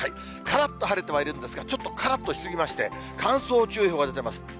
からっと晴れてはいるんですが、ちょっとからっとし過ぎまして、乾燥注意報が出ています。